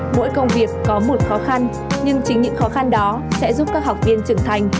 mỗi công việc có một khó khăn nhưng chính những khó khăn đó sẽ giúp các học viên trưởng thành